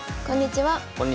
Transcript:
こんにちは。